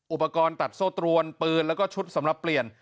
อุปกรณ์ตัดโซ่ตรวนปืนแล้วก็ชุดสำหรับเปลี่ยน